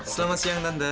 selamat siang nanda